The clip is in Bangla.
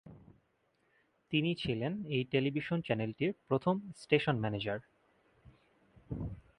তিনি ছিলেন এই টেলিভিশন চ্যানেলটির প্রথম স্টেশন ম্যানেজার।